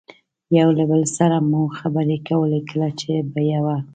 یو له بل سره مو خبرې کولې، کله چې به یوه.